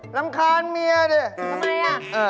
รำคาญเมียนี่นี่ดูอ๋อทำไมน่ะ